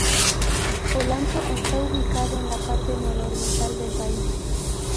Olancho está ubicado en la parte nororiental del país.